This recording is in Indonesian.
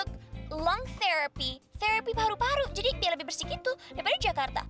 bisa untuk lung therapy therapy paru paru jadi lebih bersih gitu daripada jakarta